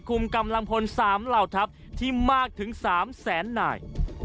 คุมกำลังพล๓ลาวทัพที่มากถึง๓แสนหน่าย